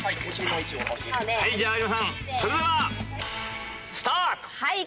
はいじゃあ皆さんそれではスタート！